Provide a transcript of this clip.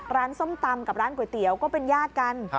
ส้มตำกับร้านก๋วยเตี๋ยวก็เป็นญาติกัน